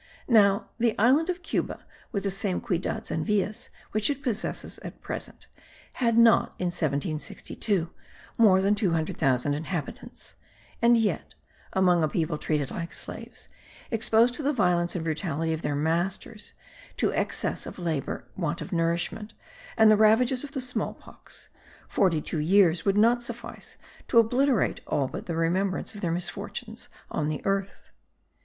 Now, the island of Cuba, with the same ciudades and villas which it possesses at present, had not in 1762 more than 200,000 inhabitants; and yet, among a people treated like slaves, exposed to the violence and brutality of their masters, to excess of labour, want of nourishment, and the ravages of the small pox forty two years would not suffice to obliterate all but the remembrance of their misfortunes on the earth.